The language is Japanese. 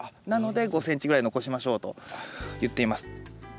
なので５ｃｍぐらい残しましょうと言っています。